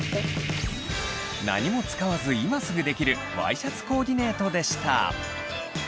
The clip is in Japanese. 何も使わず今すぐできるワイシャツコーディネートでした。